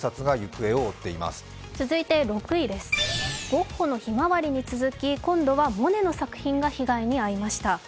ゴッホの「ひまわり」に続き、今度はモネの作品が被害に遭いました。